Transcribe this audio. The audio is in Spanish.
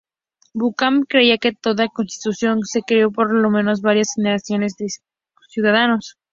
Buchanan creía que toda constitución se creó para al menos varias generaciones de ciudadanos.